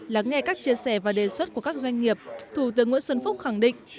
lắng nghe các chia sẻ và đề xuất của các doanh nghiệp thủ tướng nguyễn xuân phúc khẳng định